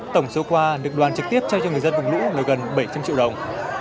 tổng số qua nước đoàn trực tiếp trao cho người dân vùng lũ nơi gần bảy trăm linh triệu đồng